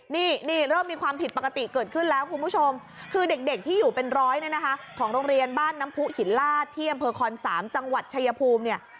นี่เริ่มมีความผิดปกติเกิดขึ้นแล้วคุณผู้ชมคือเด็กที่อยู่เป็นร้อยเนี่ยนะคะของโรงเรียนบ้านน้ำผู้หินลาดที่อำเภอคอน๓จังหวัดชายภูมิเนี่ย